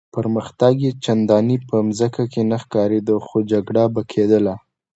پرمختګ یې چنداني په مزه کې نه ښکارېده، خو جګړه به کېدله.